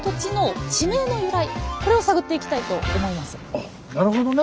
あっなるほどね。